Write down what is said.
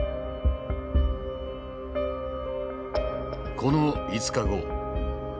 この５日後。